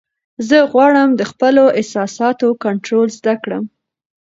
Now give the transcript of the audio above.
زه غواړم د خپلو احساساتو کنټرول زده کړم.